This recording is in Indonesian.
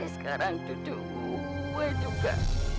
sekarang duduk gua juga